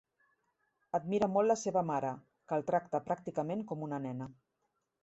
Admira molt la seva mare, que el tracta pràcticament com una nena.